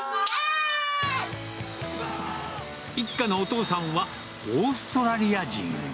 一家のお父さんはオーストラリア人。